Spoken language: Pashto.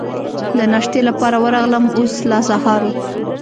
د ناشتې لپاره ورغلم، اوس لا سهار و.